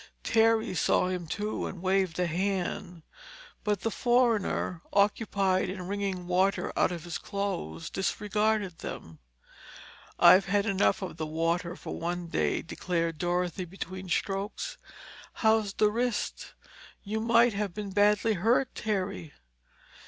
Terry saw him too, and waved a hand. But the foreigner, occupied in wringing water out of his clothes, disregarded them. "I've had enough of the water for one day," declared Dorothy between strokes. "How's the wrist? You might have been badly hurt, Terry."